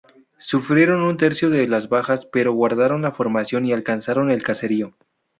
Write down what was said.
Sufrieron un tercio de las bajas pero guardaron la formación y alcanzaron el caserío.